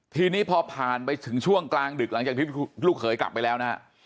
ทีนี้พอผ่านไปถึงช่วงกลางดึกหลังจากที่ลูกเขยกลับไปแล้วนะฮะ